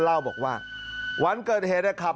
เล่าบอกว่าวันเกิดเหตุนะครับ